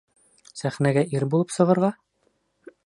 Сәхнәгә ир булып сығырға?